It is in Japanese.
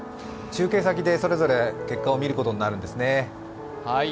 中継先でそれぞれ結果を見ることになるんですね。